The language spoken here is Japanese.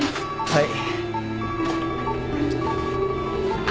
はい。